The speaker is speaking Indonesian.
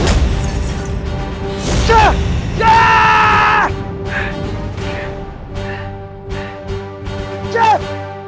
rencana aku gagal